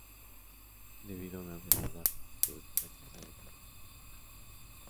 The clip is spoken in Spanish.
Debido a una enfermedad, tuvo que rechazar el papel.